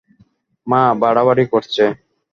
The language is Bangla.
মা বাড়াবাড়ি করছে?